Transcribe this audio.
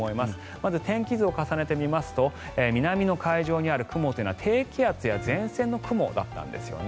まず天気図を重ねてみますと南の海上にある雲というのは低気圧や前線の雲だったんですね。